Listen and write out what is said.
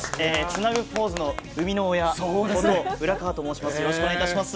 ツナグポーズの生みの親、浦川と申します。